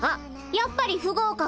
やっぱり不合格。